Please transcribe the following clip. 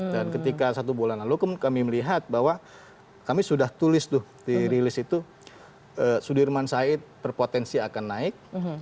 dan ketika satu bulan lalu kami melihat bahwa kami sudah tulis tuh di rilis itu sudirman said berpotensi akan naik